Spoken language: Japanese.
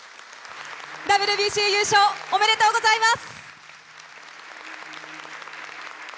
ＷＢＣ優勝おめでとうございます！